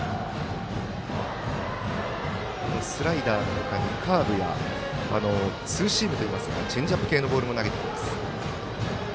スライダーの他にカーブやツーシームといいますかチェンジアップ系のボールも投げてきます。